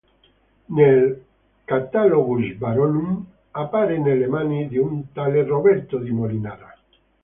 Nel "Catalogus baronum" appare nelle mani di un tale Roberto di Molinara.